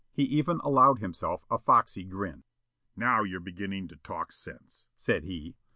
He even allowed himself a foxy grin. "Now you're beginnin' to talk sense," said he.